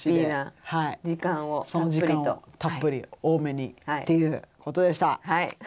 その時間をたっぷり多めにっていうことでした。